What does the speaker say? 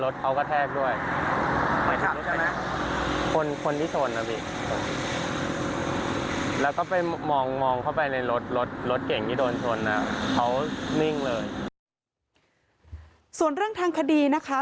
ส่วนเรื่องทางคดีนะคะ